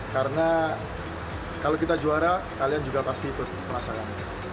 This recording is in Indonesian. karena kalau kita juara kalian juga pasti ikut perasaan kita